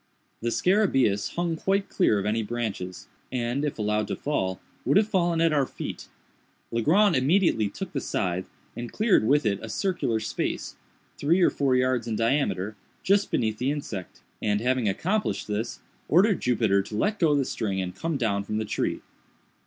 The scarabæus hung quite clear of any branches, and, if allowed to fall, would have fallen at our feet. Legrand immediately took the scythe, and cleared with it a circular space, three or four yards in diameter, just beneath the insect, and, having accomplished this, ordered Jupiter to let go the string and come down from the tree.